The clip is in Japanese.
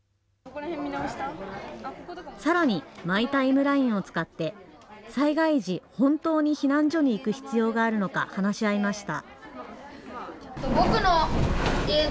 さらにマイタイムラインを使って災害時、本当に避難所に行く必要があるのか話し合いました。